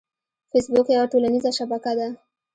فېسبوک یوه ټولنیزه شبکه ده